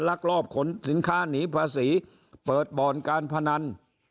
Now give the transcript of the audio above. ลักลอบขนสินค้าหนีภาษีเปิดบ่อนการพนัน